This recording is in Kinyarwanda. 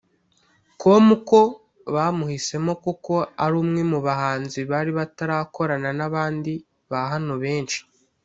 com ko bamuhisemo kuko ari umwe mu bahanzi bari batarakorana nabandi ba hano benshi